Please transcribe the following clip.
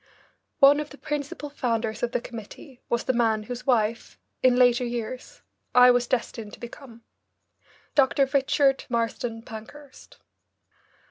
One of the principal founders of the committee was the man whose wife, in later years, I was destined to become, Dr. Richard Marsden Pankhurst.